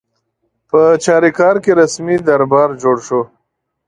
په چاریکار کې رسمي دربار جوړ شو.